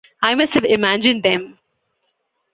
I must have imagined them.